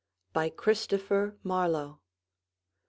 Christopher Marlowe.